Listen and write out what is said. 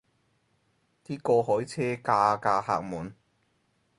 啲過海車架架客滿